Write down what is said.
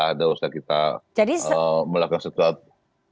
tidak usah kita melakukan sesuatu